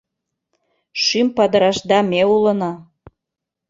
Шӱм падырашда ме улына.